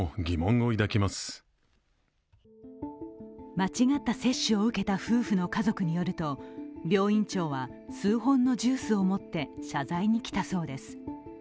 間違った接種を受けた夫婦の家族によると、病院長は数本のジュースを持って謝罪に来たそうです。